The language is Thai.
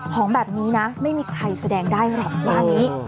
ของแบบนี้นะไม่มีใครแสดงได้หลังร้านี้